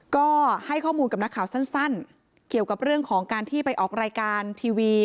ก็ให้ข้อมูลกับนักข่าวสั้นเกี่ยวกับเรื่องของการที่ไปออกรายการทีวี